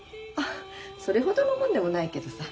それほどのもんでもないけどさ。